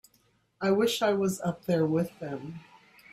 I wish I was up there with them.